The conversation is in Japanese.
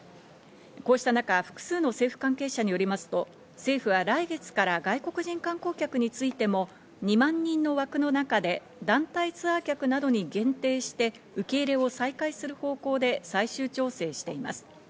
こうした中、複数の政府関係者によりますと、政府は来月から外国人観光客についても２万人の枠の中で団体ツアー客などに限定して受け入れを再開する方向で最終調整しています。